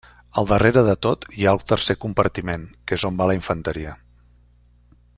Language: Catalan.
Al darrere de tot hi ha el tercer compartiment, que és on va la infanteria.